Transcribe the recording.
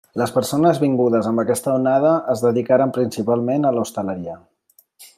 Les persones vingudes amb aquesta onada es dedicaren principalment a l'hostaleria.